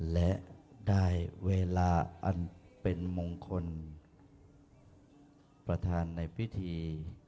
และได้เวลาอันเป็นมงคลประธานในพิธี